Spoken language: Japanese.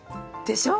でしょ。